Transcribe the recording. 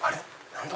何だ？